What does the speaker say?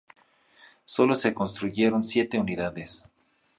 Solo se construyeron siete unidades.